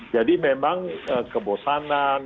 jadi memang kebosanan